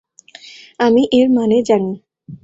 আমি এর মানে জানি।